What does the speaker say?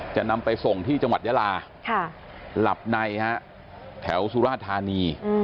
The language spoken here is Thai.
จะนำไปส่งที่จังหวัดยาลาหลับในฮะแถวสุราธานี